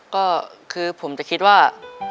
ก็คือผมจะคิดว่า